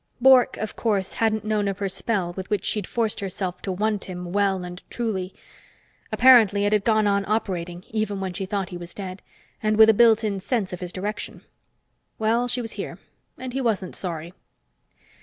Bork, of course, hadn't known of her spell with which she'd forced herself to want him "well and truly." Apparently it had gone on operating even when she thought he was dead, and with a built in sense of his direction. Well, she was here and he wasn't sorry.